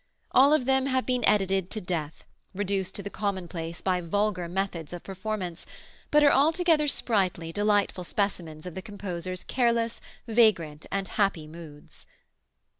All of them have been edited to death, reduced to the commonplace by vulgar methods of performance, but are altogether sprightly, delightful specimens of the composer's careless, vagrant and happy moods.